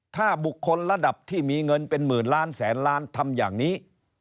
ถ้าบุคคลระดับที่มีเงินเป็นหมื่นล้านแสนล้านทำอย่างนี้